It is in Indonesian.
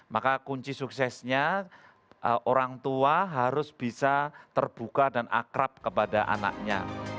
maka kunci suksesnya orang tua harus bisa terbuka dan akrab kepada anaknya